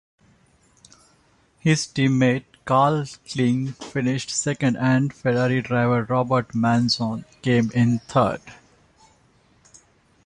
His teammate Karl Kling finished second and Ferrari driver Robert Manzon came in third.